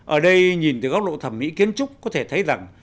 ở đây nhìn từ góc độ thẩm mỹ kiến trúc có thể thấy rằng